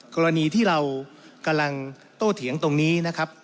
กรณีที่เรากำลังโตเถียงตรงนี้นะครับ